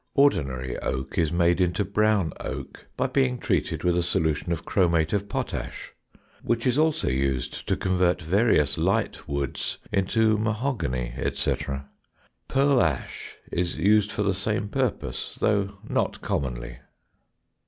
Ordinary oak is made into brown oak by being treated with a solution of chromate of potash (which is also used to convert various light woods into mahogany, etc.). Pearlash is used for the same purpose, though not commonly.